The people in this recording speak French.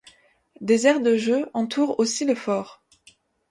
Des aires de jeux entourent aussi le fort.